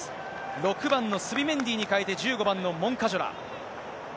６番のスビメンディに代えて、モンカジョラ。